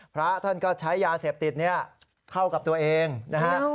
พระท่านก็ใช้ยาเสพติดเนี่ยเข้ากับตัวเองนะฮะ